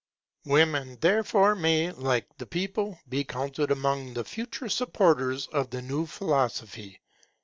Women, therefore, may, like the people, be counted among the future supporters of the new philosophy.